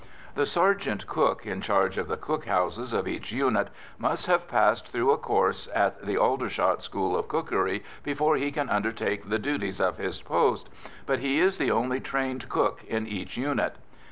The sergeant cook in charge of the cookhouses of each unit must have passed through a course at the Aldershot school of cookery before he can undertake the duties of his post, but he is the only trained cook in each unit.